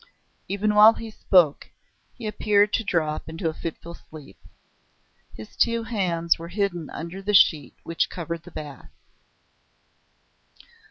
Even while he spoke he appeared to drop into a fitful sleep. His two hands were hidden under the sheet which covered the bath.